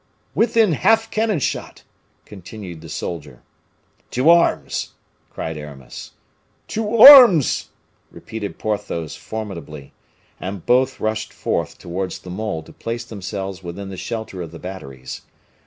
"Within half cannon shot," continued the soldier. "To arms!" cried Aramis. "To arms!" repeated Porthos, formidably. And both rushed forth towards the mole to place themselves within the shelter of the batteries.